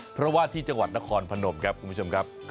เพราะว่าที่จังหวัดนครพนมครับคุณผู้ชมครับ